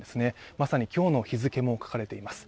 まさに今日の日付も書かれています。